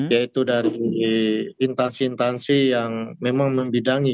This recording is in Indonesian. yaitu dari intansi intansi yang memang membidangi